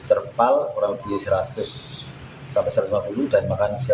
terpal orang biaya seratus satu ratus lima puluh dan makan siap saji ada seratus informasi terkini dampak gempa